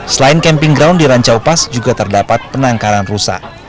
selain camping ground di rancaupas juga terdapat penangkaran rusa